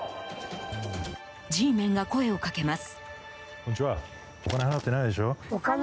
Ｇメンが声をかけます。